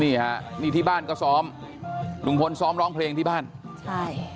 นี่ฮะนี่ที่บ้านก็ซ้อมลุงพลซ้อมร้องเพลงที่บ้านใช่